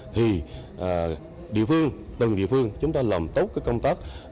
thì địa phương từng địa phương chúng ta làm tốt cái công tác